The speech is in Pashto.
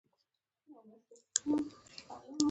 زموږ ټولنه اصلاح ته ډيره اړتیا لري